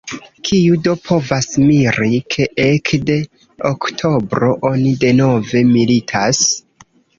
Kiu do povas miri, ke ekde oktobro oni denove militas?